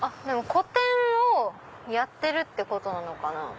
でも個展をやってるってことなのかな？